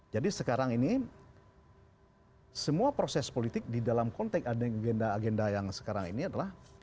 jadi sekarang ini semua proses politik di dalam konteks agenda agenda yang sekarang ini adalah